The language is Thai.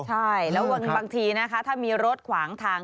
ใช่แล้วบางทีนะคะถ้ามีรถขวางทาง